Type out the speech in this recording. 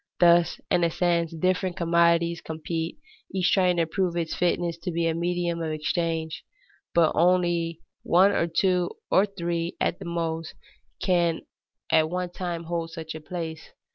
Thus, in a sense, different commodities compete, each trying to prove its fitness to be a medium of exchange; but only one, or two, or three at the most, can at one time hold such a place.